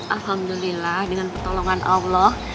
alhamdulillah dengan pertolongan allah